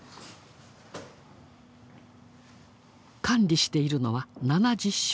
管理しているのは７０種。